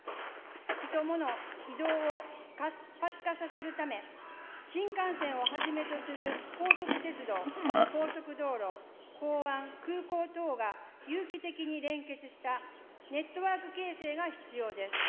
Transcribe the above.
ヒト、モノ移動を活発化させるため、新幹線をはじめとする高速鉄道、高速道路、港湾、空港等が有機的に連結したネットワーク形成が必要です。